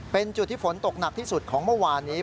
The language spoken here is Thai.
เป็นจุดที่ฝนตกหนักที่สุดของเมื่อวานนี้